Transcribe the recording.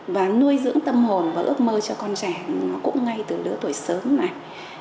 và nuôi dưỡng tâm hồn và ước mơ cho con trẻ nó cũng ngay từ đứa tuổi sớm này